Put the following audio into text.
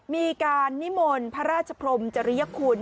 มีการนิมนต์พระราชพรมจริยคุณ